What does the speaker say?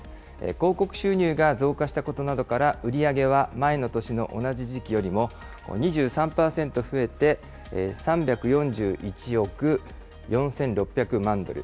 広告収入が増加したことなどから、売り上げは前の年の同じ時期よりも２３％増えて、３４１億４６００万ドル。